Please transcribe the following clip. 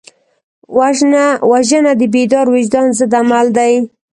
وژنه د بیدار وجدان ضد عمل دی